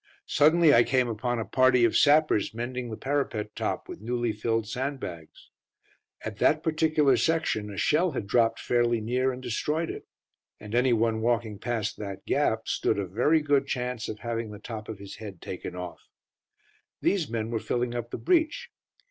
Suddenly I came upon a party of sappers mending the parapet top with newly filled sandbags. At that particular section a shell had dropped fairly near and destroyed it, and anyone walking past that gap stood a very good chance of having the top of his head taken off. These men were filling up the breach.